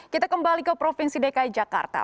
kita kembali ke provinsi dki jakarta